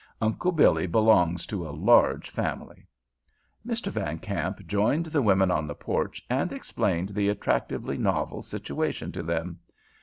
Uncle Billy belongs to a large family. Mr. Van Kamp joined the women on the porch, and explained the attractively novel situation to them.